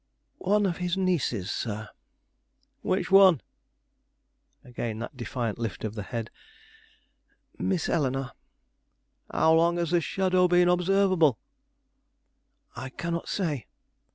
"One of his nieces, sir." "Which one?" Again that defiant lift of the head. "Miss Eleanore." "How long has this shadow been observable?" "I cannot say."